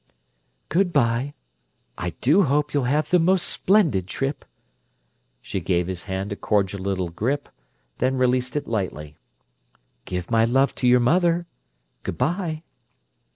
"Good bye! I do hope you'll have the most splendid trip." She gave his hand a cordial little grip, then released it lightly. "Give my love to your mother. Good bye!"